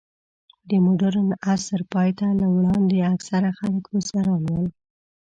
د مډرن عصر پای ته له وړاندې، اکثره خلک بزګران ول.